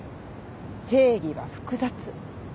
正義は複雑。